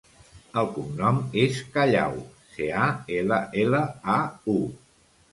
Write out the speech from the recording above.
El cognom és Callau: ce, a, ela, ela, a, u.